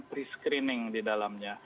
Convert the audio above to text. pre screening di dalamnya